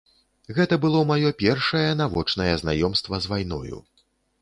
Гэта было маё першае навочнае знаёмства з вайною.